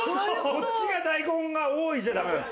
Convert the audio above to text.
こっちが大根が多いじゃダメなんです。